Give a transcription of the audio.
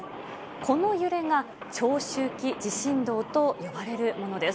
この揺れが、長周期地震動と呼ばれるものです。